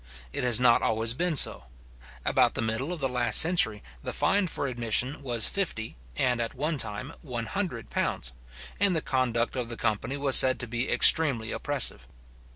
It has not always been so. About the middle of the last century, the fine for admission was fifty, and at one time one hundred pounds, and the conduct of the company was said to be extremely oppressive.